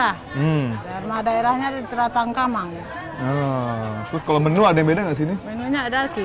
kalau di restoran sayurnya rebus rebus yang banyak